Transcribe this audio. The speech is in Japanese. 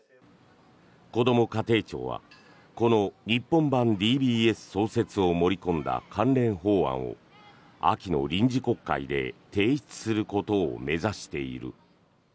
こども家庭庁はこの日本版ＤＢＳ創設を盛り込んだ関連法案を秋の臨時国会で提出することを目指している。